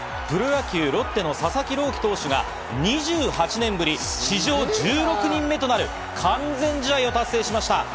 プロ野球、ロッテの佐々木朗希投手が２８年ぶり、史上１６人目となる完全試合を達成しました。